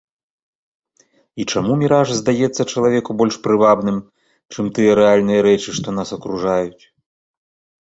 І чаму міраж здаецца чалавеку больш прывабным, чым тыя рэальныя рэчы, што нас акружаюць?